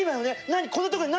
何？